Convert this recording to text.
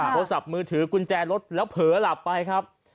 ม็อเทราะสับมือถือกุญแจรถแล้วเผลอหลับไปครับ